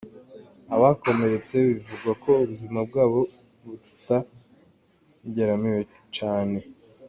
Abakomeretse bivugwa ko ubuzima bwabo butageramiwe cane.